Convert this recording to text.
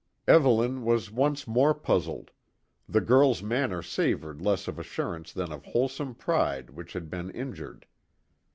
Evelyn was once more puzzled the girl's manner savoured less of assurance than of wholesome pride which had been injured.